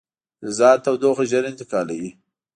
فلزات تودوخه ژر انتقالوي.